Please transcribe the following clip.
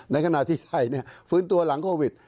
ในขณะที่ใครฟื้นตัวหลังโควิด